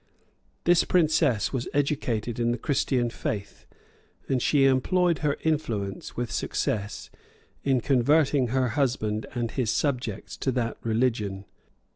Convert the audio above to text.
This princess was educated in the Christian faith, and she employed her influence, with success, in converting her husband and his subjects to that religion.